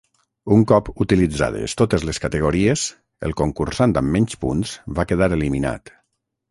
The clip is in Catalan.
Un cop utilitzades totes les categories, el concursant amb menys punts va quedar eliminat.